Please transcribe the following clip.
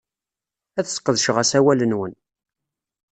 Ad sqedceɣ asawal-nwen.